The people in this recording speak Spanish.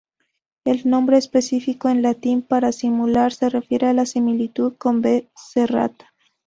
El nombre específico, en latín para "similar", se refiere a su similitud con "B.serrata.